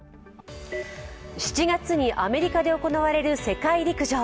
７月にアメリカで行われる世界陸上。